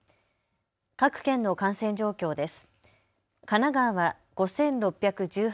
各県の感染状況です。